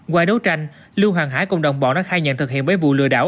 qua đấu tranh lưu hoàng hải cùng đồng bọn đã khai nhận thực hiện mấy vụ lừa đảo